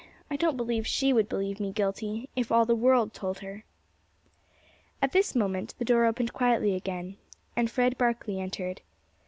I don't believe she would believe me guilty if all the world told her." At this moment the door opened quietly again, and Fred Barkley entered.